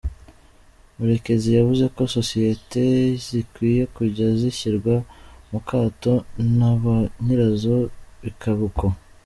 Murekezi yavuze ko sosiyete zikwiye kujya zishyirwa mu kato na ba nyirazo bikaba uko.